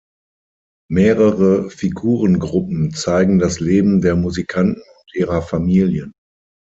Mehrere Figurengruppen zeigen das Leben der Musikanten und ihrer Familien.